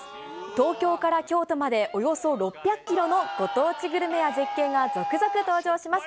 東京から京都までおよそ６００キロのご当地グルメや絶景が続々登場します。